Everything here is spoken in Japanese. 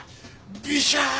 ビシャー！